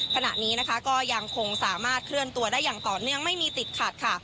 ขณะนี้นะคะก็ยังคงสามารถเคลื่อนตัวได้อย่างต่อเนื่องไม่มีติดขัดค่ะ